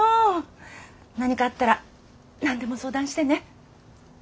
何かあったら何でも相談してね。